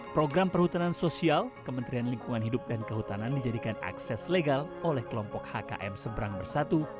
program perhutanan sosial kementerian lingkungan hidup dan kehutanan dijadikan akses legal oleh kelompok hkm seberang bersatu